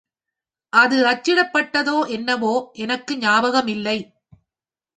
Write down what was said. அது அச்சிடப்பட்டதோ என்னவோ எனக்கு ஞாபகமில்லை.